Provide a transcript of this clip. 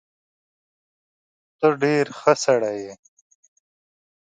ته ډیر ښه سړی یې